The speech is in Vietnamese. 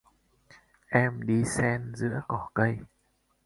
Em đi xen giữa cỏ cây